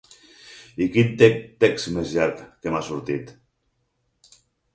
I quin text més llarg que m’ha sortit.